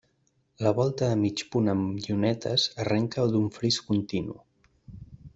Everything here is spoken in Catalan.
La volta de mig punt amb llunetes arrenca d'un fris continu.